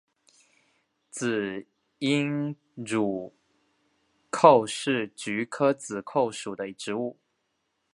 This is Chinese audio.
紫缨乳菀是菊科紫菀属的植物。